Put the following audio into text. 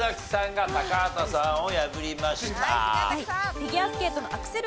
フィギュアスケートのアクセル